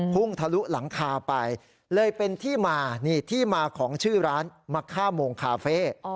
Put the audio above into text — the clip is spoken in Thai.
ทะลุหลังคาไปเลยเป็นที่มานี่ที่มาของชื่อร้านมะค่าโมงคาเฟ่